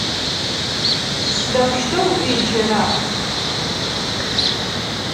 Sıdeuşteu vuêcera?